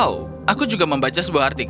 oh aku juga membaca sebuah artik